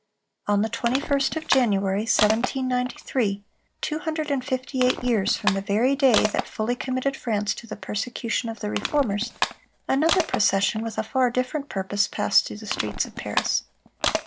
On the 21st of January, 1793, two hundred and fifty eight years from the very day that fully committed France to the persecution of the Reformers, another procession, with a far different purpose, passed through the streets of Paris.